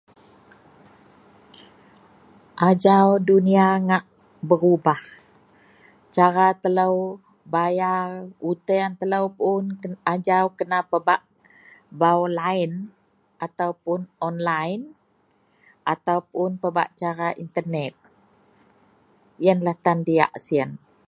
Ajau dunia ngak berubah cara telo bayar uteng telo puon ajau kena pebak bau-line atau puon on-line atau puon pebak cara internet. Iyenlah tan diyak siyen.